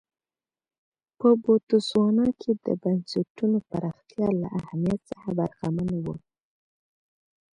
په بوتسوانا کې د بنسټونو پراختیا له اهمیت څخه برخمن و.